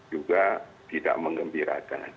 juga tidak mengembirakan